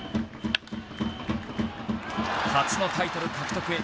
初のタイトル獲得へ